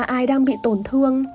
ai đang bị tổn thương